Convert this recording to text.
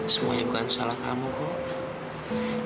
semuanya bukan salah kamu kok